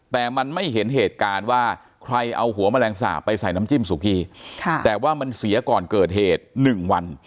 แต่มันไม่เห็นเหตุการณ์ว่าใครเอาหัวแมลงสาปไปใส่น้ำจิ้มสุกีแต่ว่ามันเสียก่อนเกิดเหตุ๑วัน